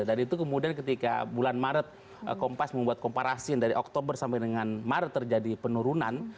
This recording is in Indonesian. dan itu kemudian ketika bulan maret kompas membuat komparasi dari oktober sampai dengan maret terjadi penurunan